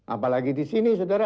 apalagi di sini saudara